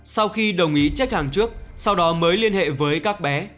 sau khi đồng ý trách hàng trước sau đó mới liên hệ với các bé